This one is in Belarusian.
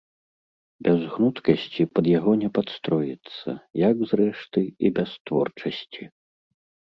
Без гнуткасці пад яго не падстроіцца, як, зрэшты, і без творчасці!